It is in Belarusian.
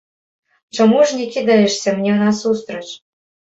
Чаму ж не кідаешся мне насустрач?